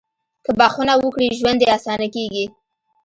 • که بښنه وکړې، ژوند دې اسانه کېږي.